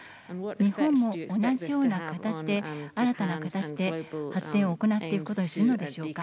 日本も同じような形で新たな形で発電を行っていくことにするのでしょうか。